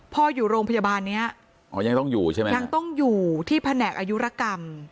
อยู่โรงพยาบาลเนี้ยอ๋อยังต้องอยู่ใช่ไหมยังต้องอยู่ที่แผนกอายุรกรรม